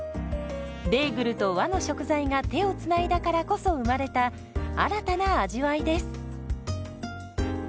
ベーグルと和の食材が手をつないだからこそ生まれた新たな味わいです。